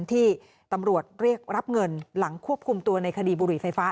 ที่ตำรวจเรียกรับเงินหลังควบคุมตัวในคดีบุหรี่ไฟฟ้า